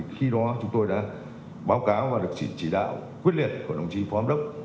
khi đó chúng tôi đã báo cáo và được chỉ đạo quyết liệt của đồng chí phó ấm đốc